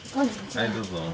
はいどうぞ。